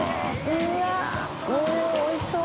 うっおいしそう！